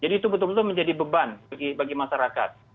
jadi itu betul betul menjadi beban bagi masyarakat